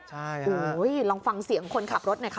โอ้โหลองฟังเสียงคนขับรถหน่อยค่ะ